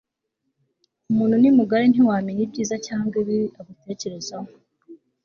umuntu ni mugari ntiwamenya ibyiza cyangwa ibibi agutekerezaho